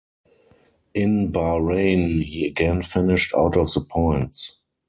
In Bahrain he again finished out of the points.